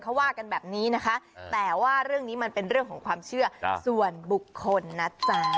เขาว่ากันแบบนี้นะคะแต่ว่าเรื่องนี้มันเป็นเรื่องของความเชื่อส่วนบุคคลนะจ๊ะ